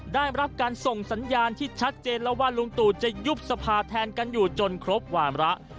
ได้รับการส่งสัญญาณที่ชัดเจนแล้วว่าลุงตู่จะยุบสภาแทนกันอยู่จนครบวามระ